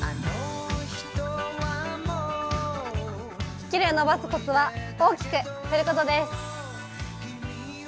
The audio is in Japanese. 飛距離を伸ばすこつは大きく振ることです。